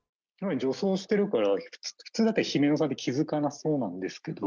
女装してるから普通だったら姫乃さんって気付かなそうなんですけど。